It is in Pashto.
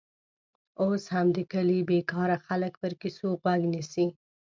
اوس هم د کلي بېکاره خلک پر کیسو غوږ نیسي.